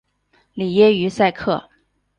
里耶于塞克。